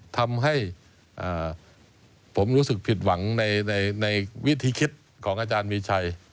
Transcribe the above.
ทำให้ผมรู้สึกผิดหวังในวิธีคิดของอาจารย์มีชัย